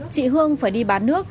chị hương phải đi bán nước